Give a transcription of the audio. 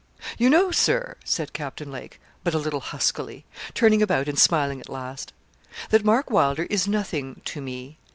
'You know, Sir,' said Captain Lake, but a little huskily, turning about and smiling at last, 'that Mark Wylder is nothing to me.